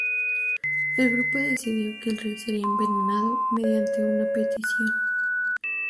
El grupo decidió que el rey sería envenenado mediante una petición.